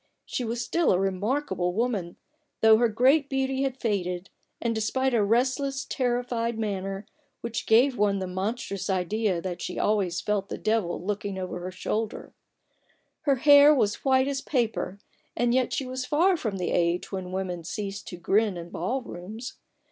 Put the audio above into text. She was still a remarkable woman, though her great beauty had faded, and despite a restless, terrified manner, which gave one the monstrous idea that she always felt the devil looking over her shoulder. Her 6 A BOOK OF BARGAINS. hair was white as paper, and yet she was far from the age when women cease to grin in ball rooms.